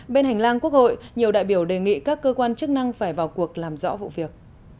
bên hành lang quốc hội nhiều đại biểu đề nghị các cơ quan chức năng phải vào cuộc làm rõ vụ việc